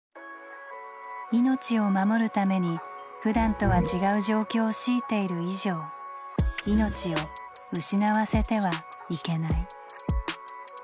命を守るためにふだんとは違う状況を強いている以上命を失わせては「いけない」。